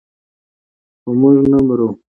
خو موږ نه مرو.